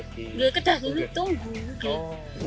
nggak kita dulu tunggu